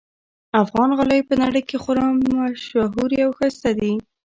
افغان غالۍ په نړۍ کې خورا ممشهوري اوښایسته دي